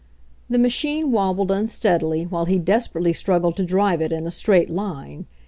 The machine wobbled unsteadily, while he des perately struggled to drive it in a straight line.